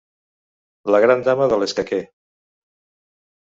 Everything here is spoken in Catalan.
La gran dama de l'escaquer.